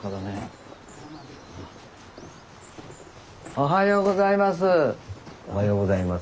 おはようございます。